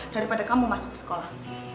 daripada kamu masuk sekolah